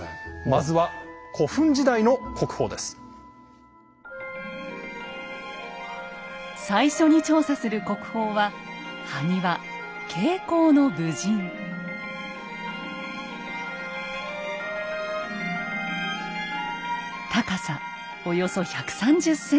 まずは最初に調査する国宝は高さおよそ１３０ｃｍ。